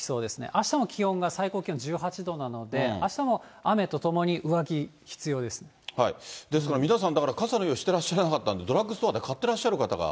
あしたも気温が最高気温１８度なので、あしたも雨とともに、ですから、皆さん、傘の用意してらっしゃらなかったので、ドラッグストアで買ってらっしゃる方が。